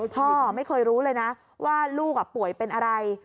พ่อไม่เคยรู้เลยนะว่าลูกป่วยเป็นอะไร